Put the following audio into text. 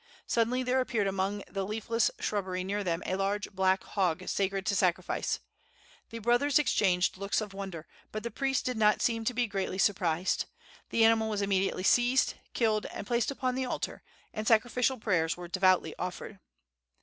Suddenly there appeared among the leafless shrubbery near them a large black hog sacred to sacrifice. The brothers exchanged looks of wonder, but the priest did not seem to be greatly surprised. The animal was immediately seized, killed and placed upon the altar, and sacrificial prayers were devoutly offered.